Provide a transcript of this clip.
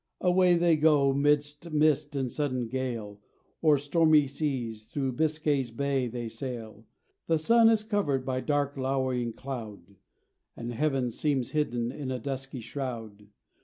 Away they go, 'midst mist and sudden gale, O'er stormy seas, through Biscay's Bay they sail. The sun is covered by dark lowering cloud, And heaven seems hidden in a dusky shroud.